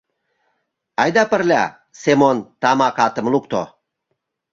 Айда пырля, — Семон тамак атым лукто.